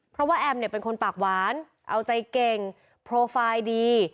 เพราะว่าแอมเนี่ยเป็นคนปากหวานเอาใจเก่งโปรไฟล์ดี